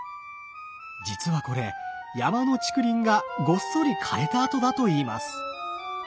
実はこれ山の竹林がごっそり枯れた跡だといいます。